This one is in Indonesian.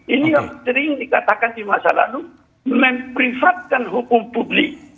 ini yang sering dikatakan di masa lalu memprifatkan hukum publik